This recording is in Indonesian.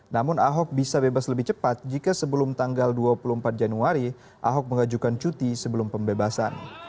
namun ahok bisa bebas lebih cepat jika sebelum tanggal dua puluh empat januari ahok mengajukan cuti sebelum pembebasan